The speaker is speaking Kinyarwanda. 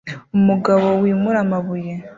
Umugabo wimura amabuye